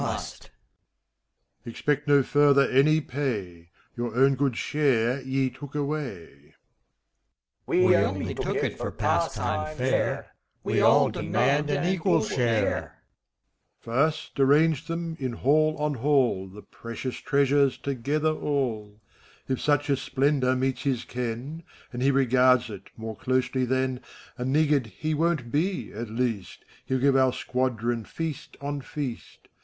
MEPHISTOPHELES. Expect no further Any pay; Your own good share Ye took away. THE MIGHTY MEN. We only took it For pastime fair ; We all demand An equal share. MEPHISTOPHELES. First, arrange them ACT r. 229 In hall on hall, — The preeions treasares^ Tc^ther all ! If sneh a splendor Meets his ken, And he regards it More dosely then, A niggard he Won't be, at least : Hell give onr squadron Feast on feast.